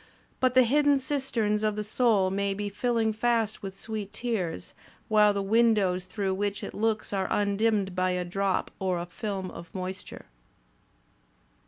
But the hidden cisterns of the soul may be filling fast with sweet tears, while the windows through which it looks are undimmed by a drop or a film of moist ure."